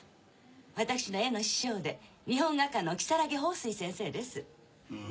私の絵の師匠で日本画家の如月峰水先生です。